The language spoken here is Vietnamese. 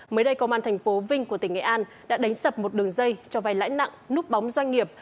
mới đây công an thành phố vinh của tỉnh nghệ an đã đánh sập một đường dây cho vay lãi nặng núp bóng doanh nghiệp